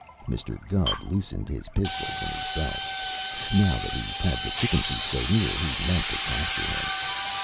Mr. Gubb loosened his pistols in his belt. Now that he had the chicken thief so near, he meant to capture him.